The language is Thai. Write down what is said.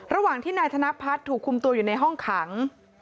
ระหว่างที่นายธนพัฒน์ถูกคุมตัวอยู่ในห้องขัง